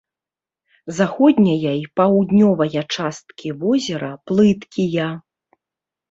Заходняя і паўднёвая часткі возера плыткія.